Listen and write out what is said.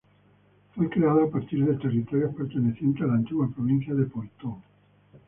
Fue creado a partir de territorios pertenecientes a la antigua provincia de Poitou.